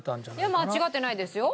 いや間違ってないですよ